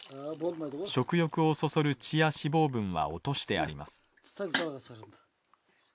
食欲をそそる血や脂肪分は落としてあります。